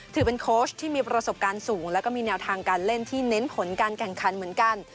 ถือเป็นโค้ชที่มีประสบการณ์สูงแล้วก็มีแนวทางการเล่นที่เน้นผลการแข่งขันเหมือนกัน